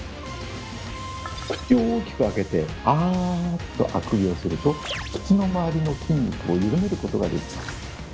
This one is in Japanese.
口を大きく開けてあっとあくびをすると口の周りの筋肉を緩めることができます。